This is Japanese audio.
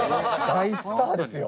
大スターですよ。